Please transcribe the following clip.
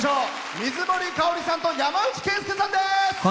水森かおりさんと山内惠介さんです。